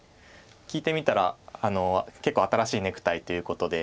聞いてみたら結構新しいネクタイということで。